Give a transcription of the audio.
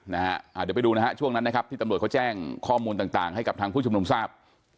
เดี๋ยวไปดูช่วงนั้นที่ตำรวจแจ้งข้อมูลต่างให้กับผู้ชุมนุมทราบ